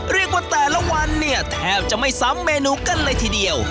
เรียกว่าแต่ละวันเนี่ยแทบจะไม่ซ้ำเมนูกันเลยทีเดียว